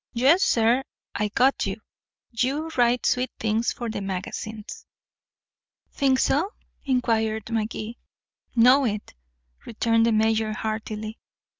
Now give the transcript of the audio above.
Yes, sir I got you. You write sweet things for the magazines." "Think so?" inquired Magee. "Know it," returned the mayor heartily.